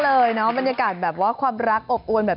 หมอกิตติวัตรว่ายังไงบ้างมาเป็นผู้ทานที่นี่แล้วอยากรู้สึกยังไงบ้าง